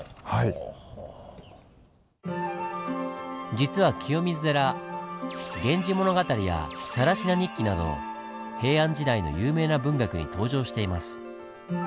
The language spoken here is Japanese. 実は清水寺「源氏物語」や「更級日記」など平安時代の有名な文学に登場しています。